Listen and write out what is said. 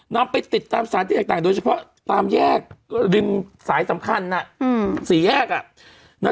นำไปติดตามสถานที่ต่างโดยเฉพาะตามแยกริมสายสำคัญสี่แยก